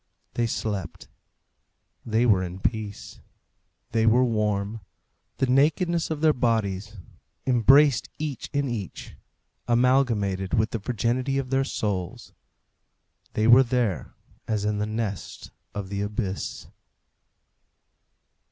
They slept. They were in peace. They were warm. The nakedness of their bodies, embraced each in each, amalgamated with the virginity of their souls. They were there as in the nest of the abyss.